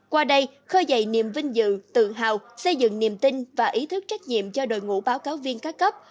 qua đây khơi dậy niềm vinh dự tự hào xây dựng niềm tin và ý thức trách nhiệm cho đội ngũ báo cáo viên các cấp